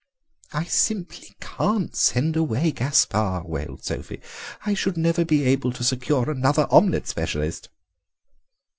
"I simply can't send away Gaspare," wailed Sophie; "I should never be able to secure another omelette specialist."